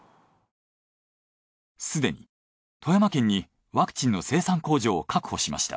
すでに富山県にワクチンの生産工場を確保しました。